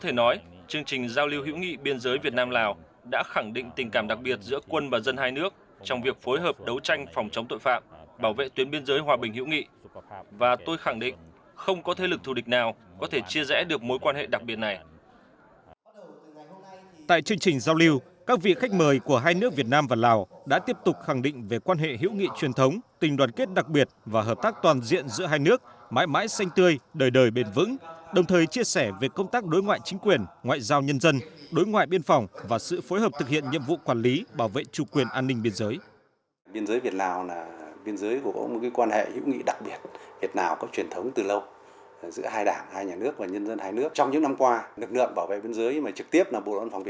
tại chương trình giao lưu các vị khách mời của hai nước việt nam và lào đã tiếp tục khẳng định về quan hệ hữu nghị truyền thống tình đoàn kết đặc biệt và hợp tác toàn diện giữa hai nước việt nam và lào đã tiếp tục khẳng định về quan hệ hữu nghị truyền thống tình đoàn kết đặc biệt và hợp tác đối ngoại chính quyền ngoại giao nhân dân đối ngoại biên phòng và sự phối hợp thực hiện nhiệm vụ quản lý bảo vệ chủ quyền an ninh biên giới